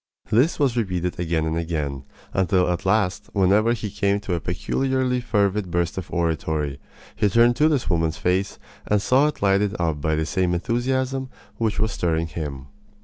This was repeated again and again, until at last whenever he came to a peculiarly fervid burst of oratory he turned to this woman's face and saw it lighted up by the same enthusiasm which was stirring him.